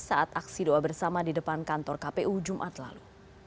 saat aksi doa bersama di depan kantor kpu jumat lalu